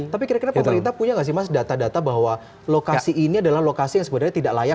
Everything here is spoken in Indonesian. tapi kira kira pemerintah punya nggak sih mas data data bahwa lokasi ini adalah lokasi yang sebenarnya tidak layak